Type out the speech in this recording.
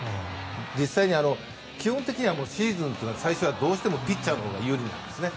実際に、基本的にはシーズンの最初はどうしてもピッチャーのほうが有利なんですね。